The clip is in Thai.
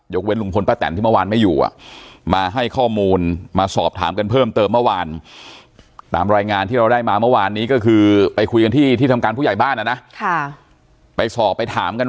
ยกเว้นลุงพลป้าแต่นที่เมื่อวานไม่อยู่อ่ะมาให้ข้อมูลมาสอบถามกันเพิ่มเติมเมื่อวาน